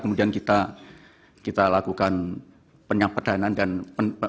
kemudian kita lakukan penyampaian dana